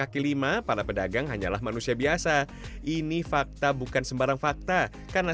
kaki lima maka pada pendagang hanyalah manusia biasa ini fakta bukan sembarang fakta karena